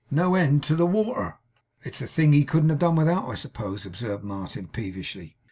No end to the water!' 'It's a thing he couldn't have done without, I suppose,' observed Martin, peevishly.